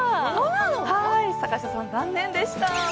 坂下さん、残念でした。